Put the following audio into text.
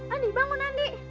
andi bangun andi